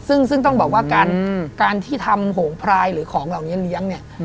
ซึ่งต้องบอกว่าการที่ทำโหงพรายหรือของเหล่านี้เลี้ยงเนี่ย